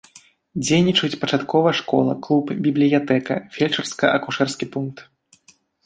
Дзейнічаюць пачатковая школа, клуб, бібліятэка, фельчарска-акушэрскі пункт.